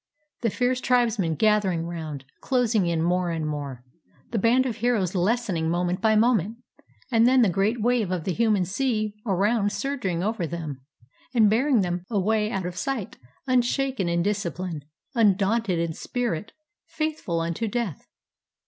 The fierce tribesmen gathering round, closing in more and more, the band of heroes lessening moment by moment ; and then the great wave of the human sea around surging over them and burying them away out of sight unshaken in discipline, undaunted in spirit, faithful unto death!